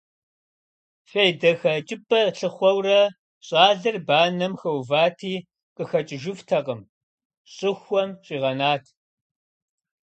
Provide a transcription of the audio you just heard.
ФейдэхэкӀыпӀэ лъыхъуэурэ, щӀалэр банэм хэувати, къыхэкӀыжыфтэкъым, щӀыхуэм щӀигъэнат.